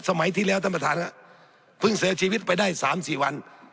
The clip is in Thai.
สมัยที่แล้วท่านประธานครับเพิ่งเสียชีวิตไปได้สามสี่วัน